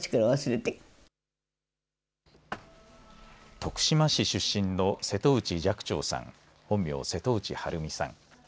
徳島市出身の瀬戸内寂聴さん、本名、瀬戸内晴美さん。